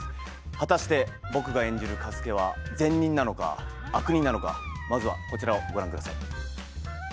果たして僕が演じる加助は善人なのか悪人なのかまずはこちらをご覧ください。